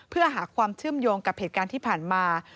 เพื่อหาความเชื่อมโยงกับเหตุการณ์ที่ผ่านมา